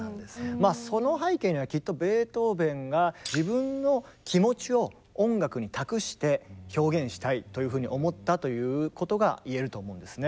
まあその背景にはきっとベートーベンが自分の気持ちを音楽に託して表現したいというふうに思ったということが言えると思うんですね。